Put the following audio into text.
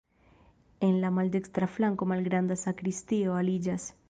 En la maldekstra flanko malgranda sakristio aliĝas.